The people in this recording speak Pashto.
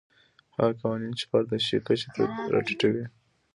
هغه قوانین چې فرد د شي کچې ته راټیټوي.